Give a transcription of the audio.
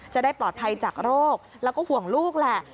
จะได้ปลอดภัยจากโรคแล้วก็ห่วงลูกแหละ